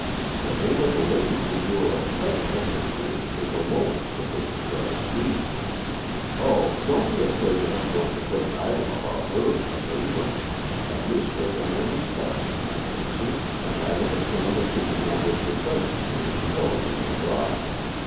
The name of the lady whom you are at present entertaining is alone a sufficient guarantee. Oh, don't be afraid that I am going to put an item about her in the paper! A newspaper man respects confidences, and I understand that she does not wish her presence here to be heralded abroad.